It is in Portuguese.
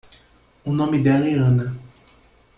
O nome dela é Ana.